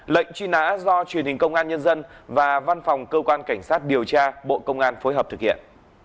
lệnh truy nã do truyền hình công an nhân dân và văn phòng cơ quan cảnh sát điều tra bộ công an phối hợp thực hiện